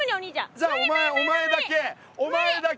じゃあお前お前だけお前だけ！